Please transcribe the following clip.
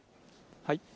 はい。